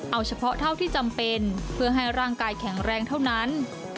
เอาเฉพาะเท่าที่จำเป็นเพื่อให้ร่างกายแข็งแรงเท่านั้น